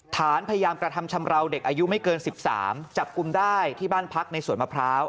ฐานพยายามกระทำชำราวเด็กอายุไม่เกิน๑๓จับกลุ่มได้ที่บ้านพักในสวนมะพร้าว